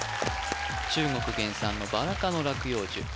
中国原産のバラ科の落葉樹